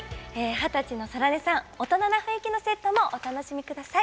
二十歳の空音さん大人の雰囲気のセットもお楽しみください。